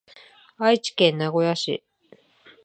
愛知県名古屋市